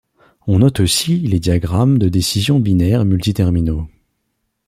On note aussi les diagrammes de décision binaire multi-terminaux.